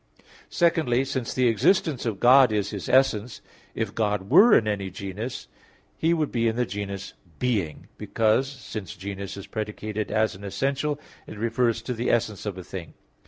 Secondly, since the existence of God is His essence, if God were in any genus, He would be the genus being, because, since genus is predicated as an essential it refers to the essence of a thing.